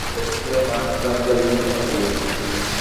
পোরুরের একটা money transfer agency থেকে।